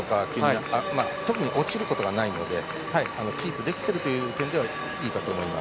特に落ちることがないのでキープできている点はいいかと思います。